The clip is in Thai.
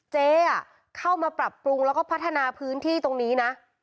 เจ๊เข้ามาปรับปรุงแล้วก็พัฒนาพื้นที่ตรงนี้นะ